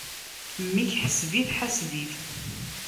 Mmi-k ḥseb-it, ḥaseb-it!